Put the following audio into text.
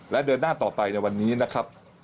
และเดินหน้าต่อไปในวันนี้นะครับ